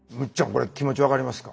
これ気持ち分かりますか？